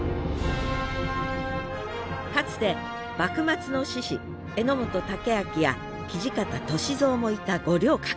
かつて幕末の志士榎本武揚や土方歳三もいた五稜郭。